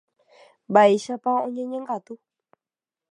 Mba'éichapa oñeñongatu.